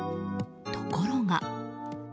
ところが。